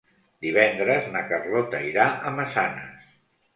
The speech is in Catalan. Divendres na Carlota irà a Massanes.